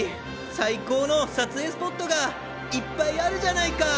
最高の撮影スポットがいっぱいあるじゃないか！